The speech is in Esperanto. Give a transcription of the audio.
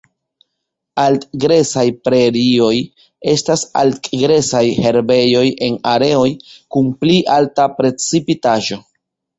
Alt-gresaj prerioj estas alt-gresaj herbejoj en areoj kun pli alta precipitaĵo.